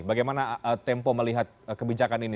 bagaimana tempo melihat kebijakan ini